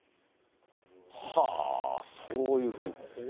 そういうふうに。